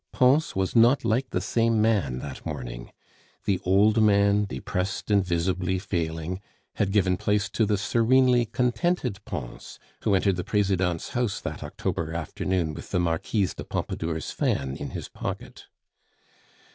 Pons was not like the same man that morning. The old man, depressed and visibly failing, had given place to the serenely contented Pons, who entered the Presidente's house that October afternoon with the Marquise de Pompadour's fan in his pocket.